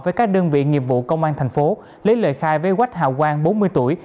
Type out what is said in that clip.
với các đơn vị nghiệp vụ công an thành phố lấy lời khai với quách hào quang bốn mươi tuổi